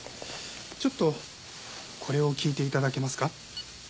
ちょっとこれを聞いて頂けますか？